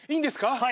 はい。